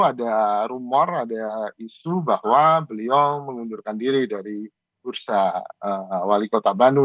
ada rumor ada isu bahwa beliau mengundurkan diri dari bursa wali kota bandung